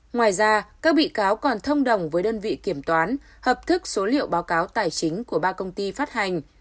ngoài ra các bị cáo còn thông đồng với đơn vị kiểm toán hợp thức số liệu báo cáo tài chính của ba công ty phát hành